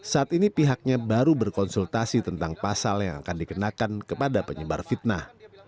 saat ini pihaknya baru berkonsultasi tentang pasal yang akan dikenakan kepada penyebar fitnah